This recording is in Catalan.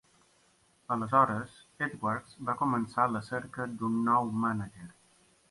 Aleshores, Edwards va començar la cerca d'un nou mànager.